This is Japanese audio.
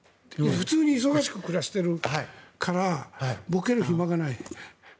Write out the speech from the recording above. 普通に忙しく暮らしてるからぼける暇がない。